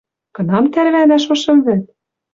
Кынам тӓрвӓнӓ шошым вӹд?